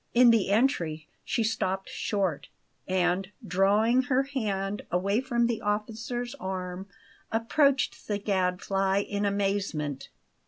In the entry she stopped short, and, drawing her hand away from the officer's arm, approached the Gadfly in amazement.